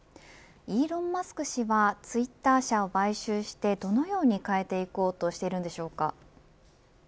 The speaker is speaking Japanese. イーロン・マスク氏はツイッター社を買収してどのように変えていこうとしているんでしょうか。